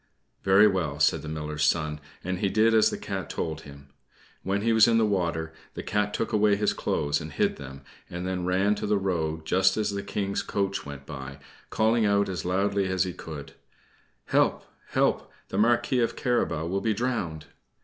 "Very well," said the Miller's son, and he did as the Cat told him. When he was in the water, the Cat took away his clothes and hid them, and then ran to the road, just as the King's coach went by, calling out as loudly as he could "Help, help! The Marquis of Carabas will be drowned."